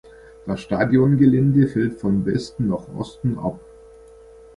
Das Stadiongelände fällt von Westen nach Osten ab.